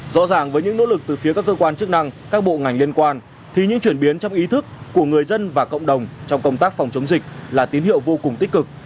rõ ràng với những nỗ lực từ phía các cơ quan chức năng các bộ ngành liên quan thì những chuyển biến trong ý thức của người dân và cộng đồng trong công tác phòng chống dịch là tín hiệu vô cùng tích cực